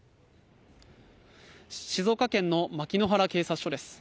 静岡県の牧之原警察署です。